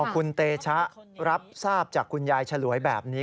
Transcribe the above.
คุณเตชะรับทราบจากคุณยายฉลวยแบบนี้